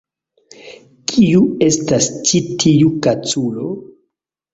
Kiu estas ĉi tiu kaculo?